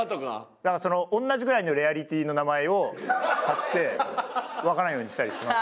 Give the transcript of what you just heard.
だから同じぐらいのレアリティーの名前を買ってわからんようにしたりします。